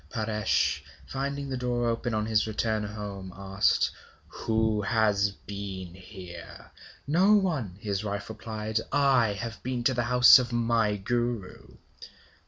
Paresh, finding the door open, on his return home, asked: 'Who has been here?' 'No one!' his wife replied. 'I have been to the house of my Guru.'